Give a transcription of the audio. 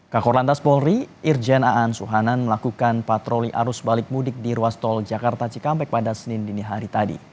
kakor lantas polri irjen aan suhanan melakukan patroli arus balik mudik di ruas tol jakarta cikampek pada senin dini hari tadi